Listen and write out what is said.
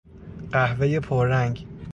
قهوه پررنگ